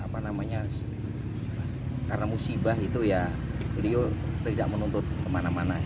karena musibah itu ya beliau tidak menuntut kemana mana